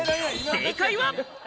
正解は。